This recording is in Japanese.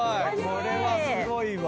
これはすごいわ。